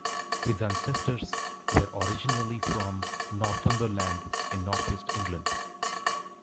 His ancestors were originally from Northumberland in North East England.